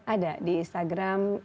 ada di instagram